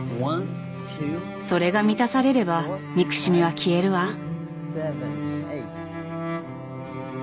それが満たされれば憎しみは消えるわ。